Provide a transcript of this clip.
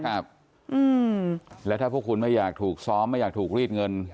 ครับอืมแล้วถ้าพวกคุณไม่อยากถูกซ้อมไม่อยากถูกรีดเงิน